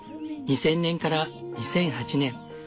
２０００年から２００８年